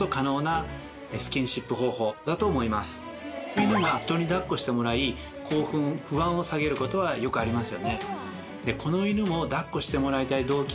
犬が人に抱っこしてもらい興奮不安を下げることはよくありますよね。